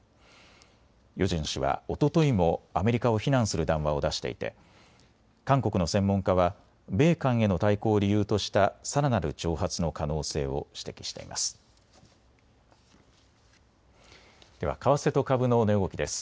ヨジョン氏はおとといもアメリカを非難する談話を出していて韓国の専門家は米韓への対抗を理由としたさらなる挑発の可能性を指摘しています。